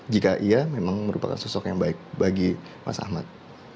jika iya memang merupakan sosok yang baik bagi mas ahmad